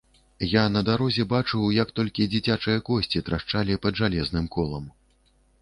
Я на дарозе бачыў, як толькі дзіцячыя косці трашчалі пад жалезным колам.